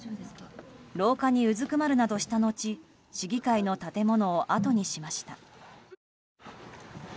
廊下にうずくまるなどしたのち市議会の建物をあとにしました。